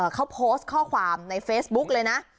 เขาโพสต์ข้อความในเฟซบุ๊กเลยนะ